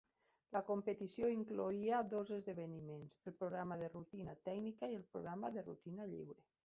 La competició incloïa dos esdeveniments, el programa de rutina tècnica i el programa de rutina lliure.